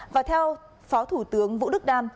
và theo phó thủ tướng vũ đức đam